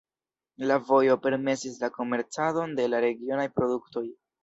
La vojo permesis la komercadon de la regionaj produktoj.